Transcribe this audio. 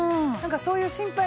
そういう心配がね。